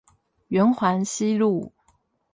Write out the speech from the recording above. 圓環西路